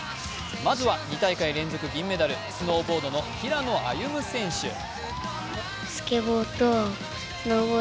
まずは２大会連続銀メダル、スノーボードの平野歩夢選手。